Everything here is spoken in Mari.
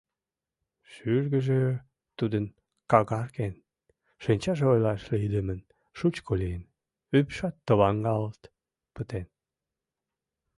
Шӱргыжӧ тудын какарген, шинчаже ойлаш лийдымын шучко лийын, ӱпшат товаҥалт пытен.